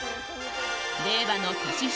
令和の年下